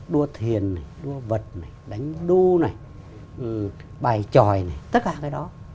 đua thiền đua vật đánh đua bài tròi tất cả cái đó